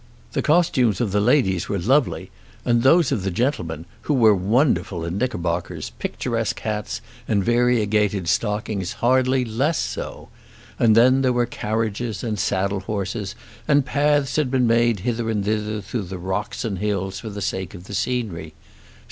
The costumes of the ladies were lovely, and those of the gentlemen, who were wonderful in knickerbockers, picturesque hats and variegated stockings, hardly less so. And then there were carriages and saddle horses, and paths had been made hither and thither through the rocks and hills for the sake of the scenery.